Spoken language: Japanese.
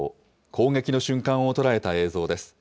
攻撃の瞬間を捉えた映像です。